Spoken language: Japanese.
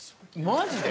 マジで？